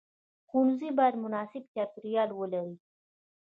ښوونځی باید مناسب چاپیریال ولري.